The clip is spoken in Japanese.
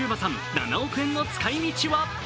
７億円の近い道は。